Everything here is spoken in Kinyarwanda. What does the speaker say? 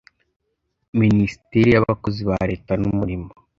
Minisiteri y’abakozi ba Leta n’Umurimo